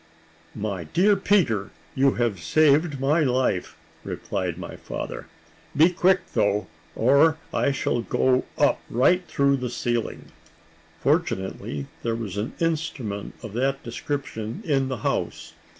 "My dear Peter, you have saved my life," replied my father; "be quick though, or I shall go up, right through the ceiling." Fortunately, there was an instrument of that description in the house.